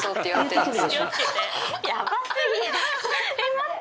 待って！